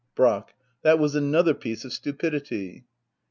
Brack. That was another piece of stupidity.